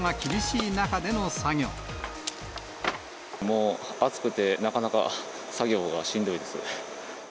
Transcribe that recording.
もう暑くて、なかなか作業がしんどいです。